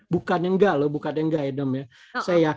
bukan yang enggak loh bukan yang enggak edom ya